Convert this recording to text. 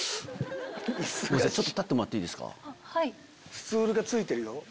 スツールがついてるよ。